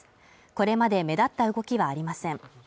これまで目立った動きはありません。